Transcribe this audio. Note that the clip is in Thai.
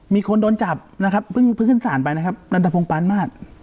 มีคนโดนจับนะครับเพิ่งขึ้นศาลไปนะครับนันทพงศ์ปานมาส